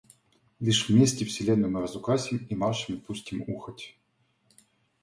Лишь вместе вселенную мы разукрасим и маршами пустим ухать.